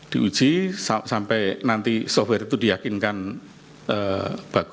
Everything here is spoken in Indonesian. diuji sampai nanti software itu diyakinkan bagus